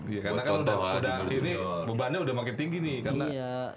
iya karena kan udah beban nya udah makin tinggi nih karena